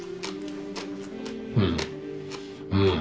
うんうん。